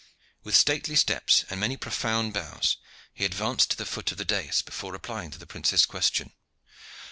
With stately steps and many profound bows, he advanced to the foot of the dais before replying to the prince's question.